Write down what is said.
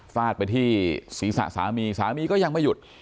ฟาดไปที่ศีรษะสามีสามีก็ยังไม่หยุด